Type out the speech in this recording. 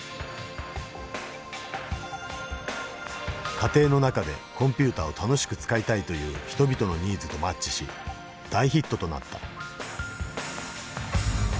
家庭の中でコンピューターを楽しく使いたいという人々のニーズとマッチし大ヒットとなった。